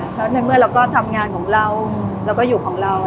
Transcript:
แล้วในเมื่อเราก็ทำงานของเราเราก็อยู่ของเรา